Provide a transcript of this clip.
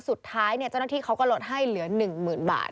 สุดท้ายเจ้าหน้าที่เขาก็ลดให้เหลือ๑๐๐๐บาท